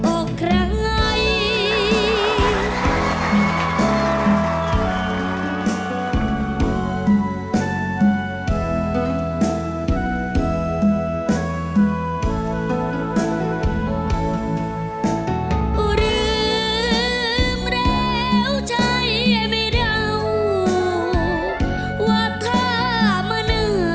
ออกร้าย